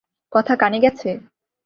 কথা কানে গেছে?